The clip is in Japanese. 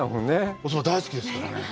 おそば大好きですからね。